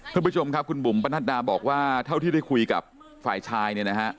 คุณผู้ชมครับคุณบุ๋มปนัดดาบอกว่าเท่าที่ได้คุยกับฝ่ายชายเนี่ยนะฮะ